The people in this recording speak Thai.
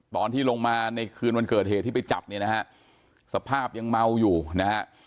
ตอนที่ลงมาในคืนวันเกิดเหตุที่ไปจับเนี่ยนะฮะสภาพยังเมาอยู่นะฮะ